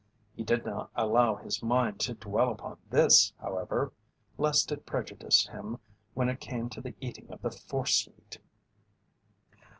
He did not allow his mind to dwell upon this, however, lest it prejudice him when it came to the eating of the "forcemeat."